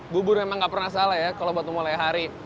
bubur memang nggak pernah salah ya kalau buat umur lehari